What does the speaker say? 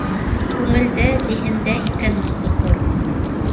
Күңелдә, зиһендә икән ул соҡор!